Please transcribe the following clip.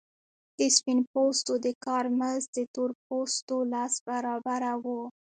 د سپین پوستو د کار مزد د تور پوستو لس برابره وو